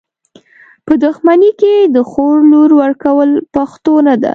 په دښمني کي د خور لور ورکول پښتو نده .